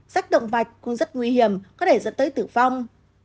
rách động vạch cũng rất nguy hiểm có thể dẫn tới tử vong